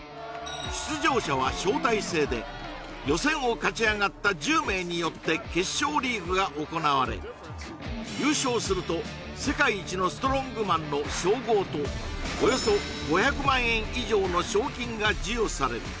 出場者は招待制で予選を勝ち上がった１０名によって決勝リーグが行われ優勝すると世界一のストロングマンの称号とおよそ５００万円以上の賞金が授与される